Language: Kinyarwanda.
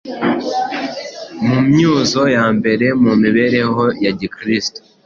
Mu myuzo ya mbere mu mibereho ye ya Gikristo